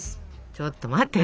ちょと待って。